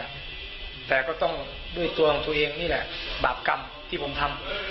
แต่ก็ต้องด้วยตัวของตัวเองนี่แหละบาปกรรมที่ผมทำ